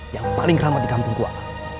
yang paling ramah di kampungku wak